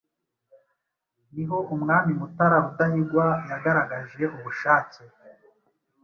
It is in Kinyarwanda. niho umwami Mutara Rudahigwa yagaragaje ubushake